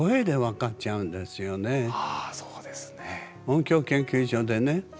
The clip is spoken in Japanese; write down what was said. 音響研究所でね